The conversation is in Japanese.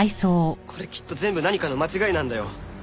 これきっと全部何かの間違いなんだよ。